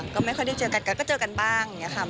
ก็ไม่ค่อยได้เจอกันก็เจอกันบ้างอย่างนี้ค่ะ